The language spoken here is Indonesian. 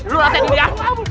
lu rasa itu dia